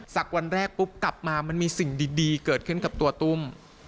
วันแรกปุ๊บกลับมามันมีสิ่งดีเกิดขึ้นกับตัวตุ้ม